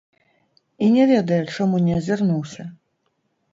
І не ведае, чаму не азірнуўся.